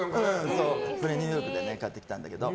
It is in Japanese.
これ、ニューヨークで買ってきたんだけど。